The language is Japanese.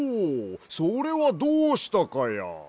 それはどうしたかや？